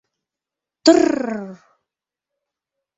“Тррр!..”